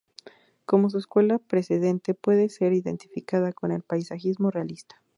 Como su escuela precedente, puede ser identificada con el paisajismo realista.